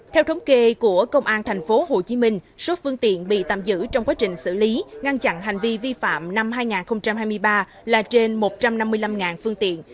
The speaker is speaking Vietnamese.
theo thống kê của công an tp hcm số phương tiện bị tạm giữ trong quá trình xử lý ngăn chặn hành vi vi phạm năm hai nghìn hai mươi ba là trên một trăm năm mươi năm phương tiện